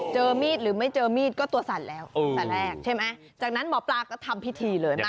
เจอมีดหรือไม่เจอมีดก็ตัวสั่นแล้วแต่แรกใช่ไหมจากนั้นหมอปลาก็ทำพิธีเลยมา